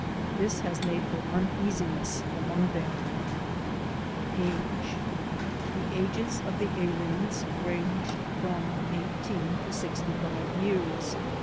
This has made for uneasiness among them. Age The ages of the aliens ranged from 18 to 65 years.